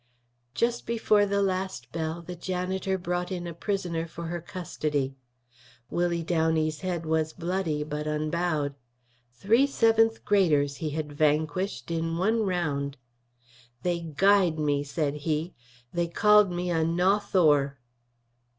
Just before the last bell the janitor brought in a prisoner for her custody. Willie Downey's head was bloody but unbowed; three seventh graders he had vanquished in one round. "They guyed me," said he. "They called me a Nawthour."